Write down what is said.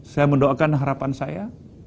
saya mendoakan harapan saya